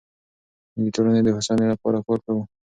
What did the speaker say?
موږ د ټولنې د هوساینې لپاره کار کوو.